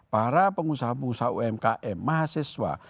para pengusaha pengusaha umkm mahasiswa